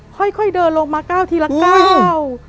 ค่อยค่อยเดินลงมาเก้าทีละก้าว